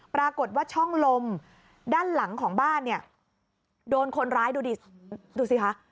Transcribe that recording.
ปรากฏว่าช่องลมด้านหลังของบ้านเนี่ยโดนคนร้ายดูสิคะ